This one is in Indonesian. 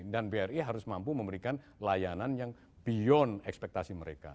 dan bri harus mampu memberikan layanan yang beyond ekspektasi mereka